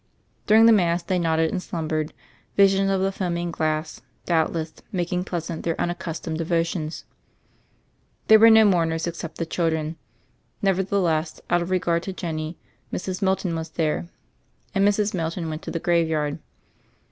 Dunng the Mass, they nodded and slumbered, visions of the foaming glass, doubtless, making pleasant their unaccustomed devotions. There were no mourners except the children : nevertheless, out of regard to Jenny, Mrs. Mil ton was there, and Mrs. Milton went to the graveyard.